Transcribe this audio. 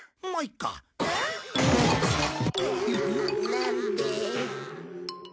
なんで。